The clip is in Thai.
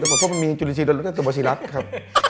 เพราะมันมีจุฬิชีโดยรักษณะต่อบสิรัติครับ